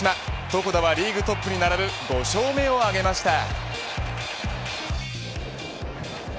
床田はリーグトップに並ぶ５勝目を挙げました。